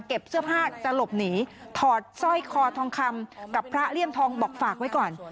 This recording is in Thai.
เสื้อผ้าจะหลบหนีถอดสร้อยคอทองคำกับพระเลี่ยมทองบอกฝากไว้ก่อน